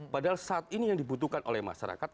padahal saat ini yang dibutuhkan oleh masyarakat